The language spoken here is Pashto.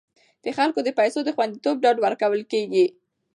د خلکو د پیسو د خوندیتوب ډاډ ورکول کیږي.